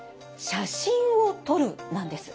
「写真を撮る」なんです。